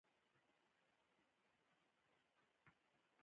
د جومات په انګړ کې ګلونه وکرم؟